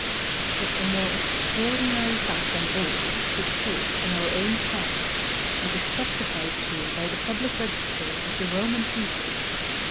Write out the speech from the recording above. But a more extraordinary fact than all, took place in our own times, and is testified to by the public register of the Roman people.